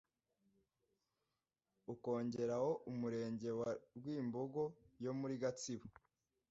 ukongeraho Umurenge wa Rwimbogo yo muri Gatsibo.